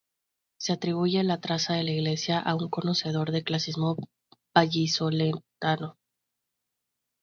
Se atribuye la traza de la iglesia a un conocedor del clasicismo vallisoletano.